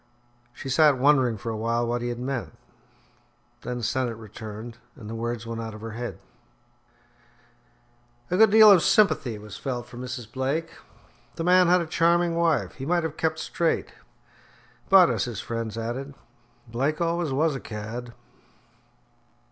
She sat wondering for a while what he had meant. Then Sennett returned, and the words went out of her head. A good deal of sympathy was felt for Mrs. Blake. The man had a charming wife; he might have kept straight; but as his friends added, "Blake always was a cad."